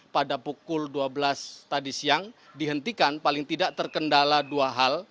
pada pukul dua belas tadi siang dihentikan paling tidak terkendala dua hal